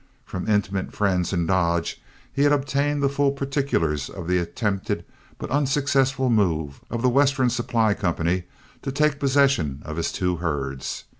From intimate friends in Dodge, he had obtained the full particulars of the attempted but unsuccessful move of The Western Supply Company to take possession of his two herds.